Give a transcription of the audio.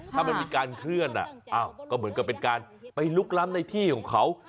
ถ้ามันมีการเคลื่อนก็เหมือนกับเป็นการไปลุกล้ำในที่ของเขา